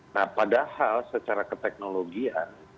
nah padahal secara keteknologian